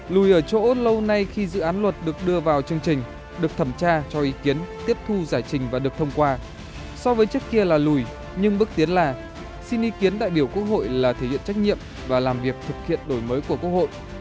lùi ở chỗ lâu nay khi dự án luật được đưa vào chương trình được thẩm tra cho ý kiến tiếp thu giải trình và được thông qua so với trước kia là lùi nhưng bước tiến là xin ý kiến đại biểu quốc hội là thể hiện trách nhiệm và làm việc thực hiện đổi mới của quốc hội